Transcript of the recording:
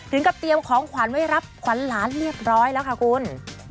กับเตรียมของขวัญไว้รับขวัญหลานเรียบร้อยแล้วค่ะคุณ